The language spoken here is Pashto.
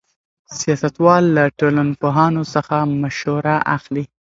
سیاستوال له ټولنپوهانو څخه مشوره اخلي.